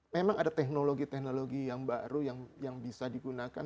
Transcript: memang ada teknologi teknologi yang baru yang bisa digunakan